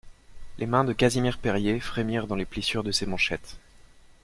Les mains de Casimir Perier frémirent dans les plissures de ses manchettes.